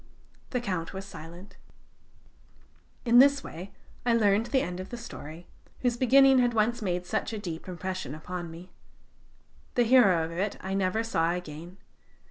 The Count was silent. In this way I learned the end of the story, whose beginning had once made such a deep impression upon me. The hero of it I never saw again.